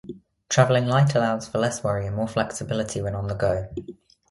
Travelling light allows for less worry and more flexibility when on the go.